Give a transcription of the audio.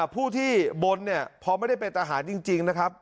ผู้ที่บนเนี่ยพอไม่ได้เป็นทหารจริงนะครับ